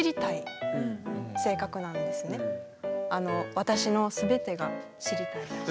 私の全てが知りたい。